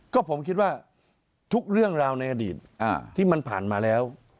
ก็ผมคิดว่าทุกเรื่องราวในอดีตที่มันผ่านมาแล้ว